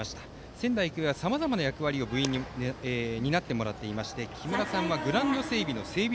仙台育英はさまざまな役割を部員に担ってもらっていて木村さんはグラウンド整備の整備